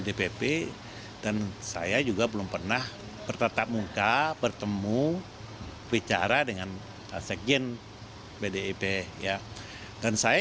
dpp dan saya juga belum pernah bertatap muka bertemu bicara dengan sekjen pdip ya dan saya